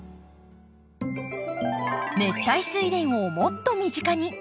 熱帯スイレンをもっと身近に。